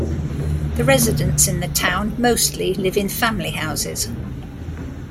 The residents in the town mostly live in family houses.